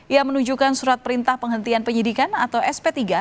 ia menunjukkan surat perintah penghentian penyidikan atau sp tiga